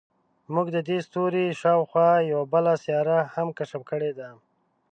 موږ د دې ستوري شاوخوا یوه بله سیاره هم کشف کړې ده.